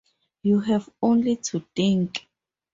You have only to think!